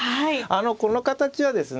あのこの形はですね